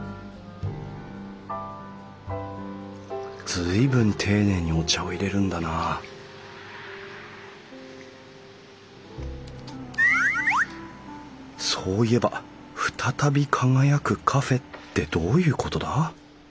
随分丁寧にお茶を淹れるんだなそういえば「ふたたび輝くカフェ」ってどういうことだ？